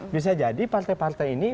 bisa jadi partai partai ini